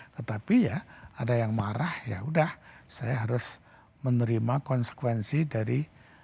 tetapi ya ada yang marah ya udah saya harus menerima konsekuensi dari